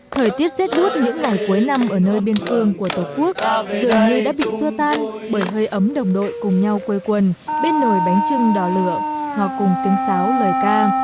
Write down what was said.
thời tiết xét đuốt những ngày cuối năm ở nơi biên cương của tổ quốc dường như đã bị xua tan bởi hơi ấm đồng đội cùng nhau quê quần bên nồi bánh trưng đỏ lửa họ cùng tiếng sáo lời ca